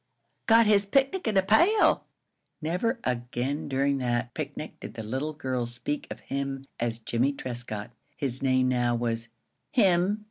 Got his picnic in a pail!" Never again during that picnic did the little girls speak of him as Jimmie Trescott. His name now was Him.